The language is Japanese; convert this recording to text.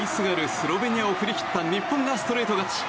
スロベニアを振り切った日本がストレート勝ち。